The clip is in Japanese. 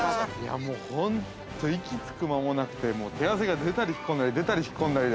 ◆本当に、息つく間もなくて、手汗が出たり引っ込んだり出たり引っ込んだりで。